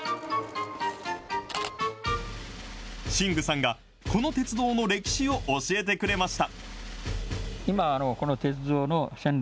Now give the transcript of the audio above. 新具さんが、この鉄道の歴史を教えてくれました。